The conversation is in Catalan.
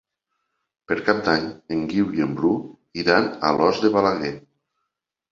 Per Cap d'Any en Guiu i en Bru iran a Alòs de Balaguer.